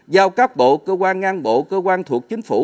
giao các bộ cơ quan ngang bộ cơ quan thuộc chính phủ